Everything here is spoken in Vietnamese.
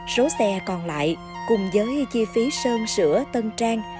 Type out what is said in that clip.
số xe còn lại cùng với chi phí sơn sửa tân trang